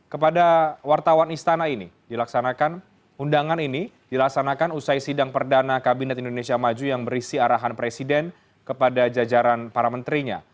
kepada wartawan istana ini undangan ini dilaksanakan usai sidang perdana kabinet indonesia maju yang berisi arahan presiden kepada jajaran para menterinya